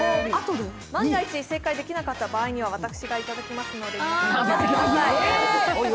万が一正解できなかった場合には私がいただきますので頑張ってください。